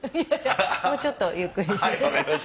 もうちょっとゆっくりします。